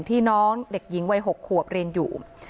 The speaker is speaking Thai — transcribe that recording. ที่น้องเด็กหญิงวัย๖ขวบเรียนอยู่